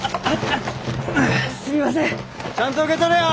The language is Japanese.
ちゃんと受け取れよ！